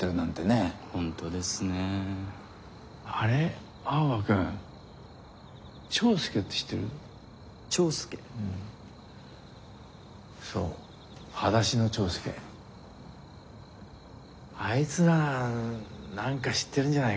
あいつなら何か知ってるんじゃないかな？